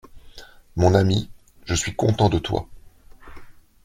Mon ami, je suis content de toi…